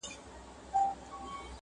پر تاخچو، پر صندوقونو پر کونجونو!